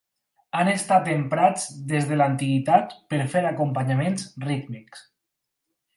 Han estat emprats des de l'antiguitat per fer acompanyaments rítmics.